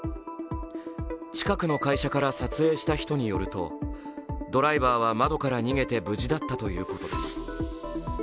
近くの会社から撮影した人によると、ドライバーは窓から逃げて無事だったということです。